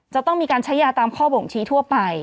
จะต้องมีการใช้ยาตามข้อบ่งชี้ทั่วไป